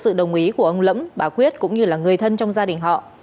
sự đồng ý của ông lẫm bà quyết cũng như là người thân trong gia đình họ